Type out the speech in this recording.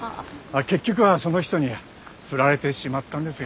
結局はその人に振られてしまったんですが。